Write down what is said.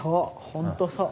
本当そう。